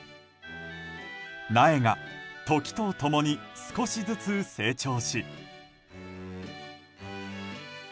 苗が時と共に少しずつ成長し。